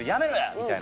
みたいな。